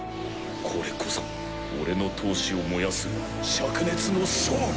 これこそ俺の闘志を燃やす灼熱のソウル！